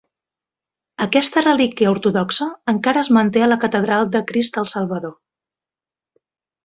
Aquesta relíquia ortodoxa encara es manté a la Catedral de Crist el Salvador.